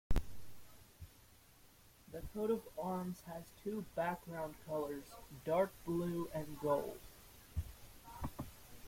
The coat of arms has two background colors, dark blue and gold.